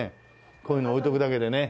こういうの置いておくだけでね。